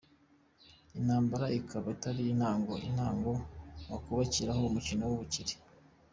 Intambara ikaba Atari intango, Intango wakwubakiraho umukiro n’ubukire